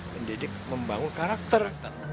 pendidik membangun karakter